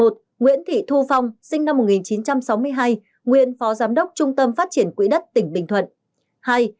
một nguyễn thị thu phong sinh năm một nghìn chín trăm sáu mươi hai nguyên phó giám đốc trung tâm phát triển quỹ đất tỉnh bình thuận